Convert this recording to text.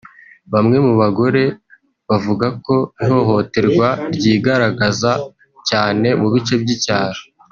Bamwe mu bagore bavuga ko ihohoterwa ryigaragaza cyane mu bice by’icyaro